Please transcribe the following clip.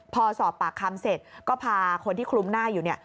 พอสอบปากคำเสร็จก็พาคนที่คลุมหน้าอยู่เนี่ย